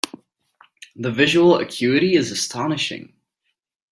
The visual acuity is astonishing.